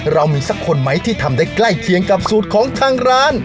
เรามีสักคนไหมที่ทำได้ใกล้เคียงกับสูตรของทางร้าน